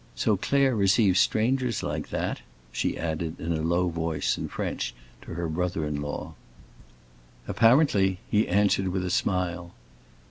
"So Claire receives strangers, like that?" she added, in a low voice, in French, to her brother in law. "Apparently!" he answered with a smile.